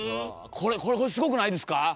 これこれすごくないですか？